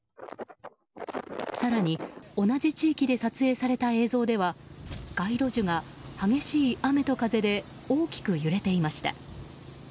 更に、同じ地域で撮影された映像では街路樹が激しい雨と風で大きく揺れていました。